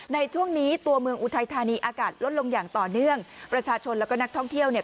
ในช่วงนี้ตัวเมืองอุทัยธานีอากาศลดลงอย่างต่อเนื่องประชาชนแล้วก็นักท่องเที่ยวเนี่ย